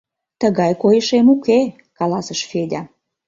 — Тыгай койышем уке! — каласыш Федя.